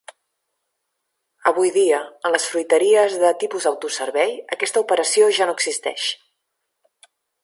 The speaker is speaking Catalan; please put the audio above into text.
Avui dia en les fruiteries de tipus autoservei aquesta operació ja no existeix.